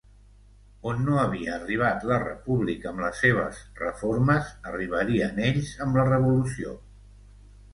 On no havia arribat la República amb les seves reformes, arribarien ells amb la revolució.